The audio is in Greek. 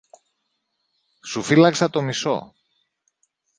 Σου φύλαξα το μισό.